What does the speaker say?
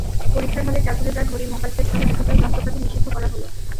পরীক্ষার হলে ক্যালকুলেটর, ঘড়ি, মোবাইল সেটসহ ডিজিটাল যন্ত্রপাতি নিষিদ্ধ করা হলো।